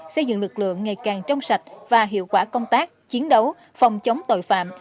xây dựng lực lượng ngày càng trong sạch và hiệu quả công tác chiến đấu phòng chống tội phạm